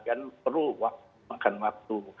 dan perlu makan waktu